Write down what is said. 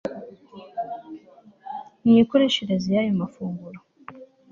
Ni mikoreshereze yayo mafunguro